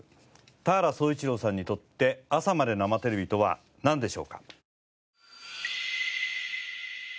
田原総一朗さんにとって『朝まで生テレビ！』とはなんでしょうか？